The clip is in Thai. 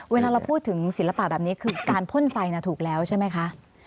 เวลาเราพูดถึงศิลปะแบบนี้คือการพ่นไฟถูกแล้วใช่ไหมคะ